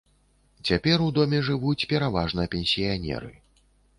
Цяпер у доме жывуць пераважна пенсіянеры.